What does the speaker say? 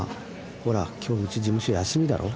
ほらきょうウチ事務所休みだろ。